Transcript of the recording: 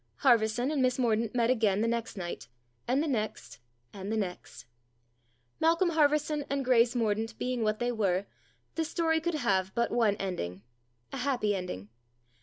Harverson and Miss Mordaunt met again the next night, and the next, and the next. Malcolm Harverson and Grace Mordaunt being what they were, the story could have but one ending a happy ending.